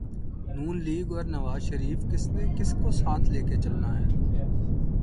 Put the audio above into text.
نون league اور نوازشریف کس نے کس کو ساتھ لے کے چلنا ہے۔